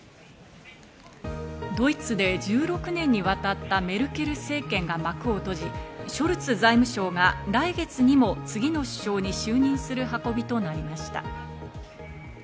ドイツで１６年にわたったメルケル政権が幕を閉じ、ショルツ財務相が来月６日にも次の首相に就任する運びとなりました。